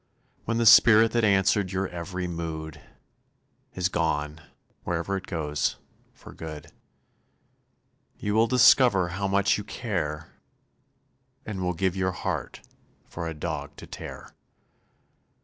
When the spirit that answered your every mood Is gone wherever it goes for good, You will discover how much you care, And will give your heart to a dog to tear!